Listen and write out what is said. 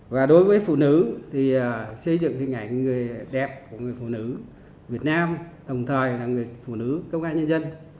và đối với phụ nữ thì xây dựng hình ảnh người đẹp của người phụ nữ việt nam đồng thời là người phụ nữ công an nhân dân